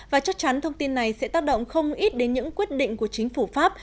và chắc chắn thông tin này sẽ tác động không ít đến những quyết định của chính phủ pháp